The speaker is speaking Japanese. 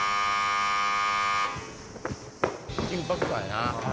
緊迫感やな。